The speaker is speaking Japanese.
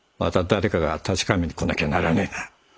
誰かが確かめに来なきゃならねえな。